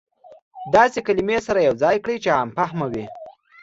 داسې کلمې سره يو ځاى کړى چې عام فهمه وي.